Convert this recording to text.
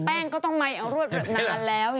แป้งก็ต้องไม้เอารวดแบบนั้นแล้ว